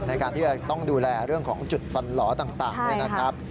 ในการที่จะต้องดูแลเรื่องของจุดฟันหลอต่างเนี่ยนะครับ